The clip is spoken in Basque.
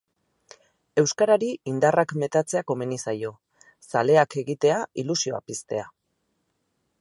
Euskarari indarrak metatzea komeni zaio, zaleak egitea, ilusioa piztea.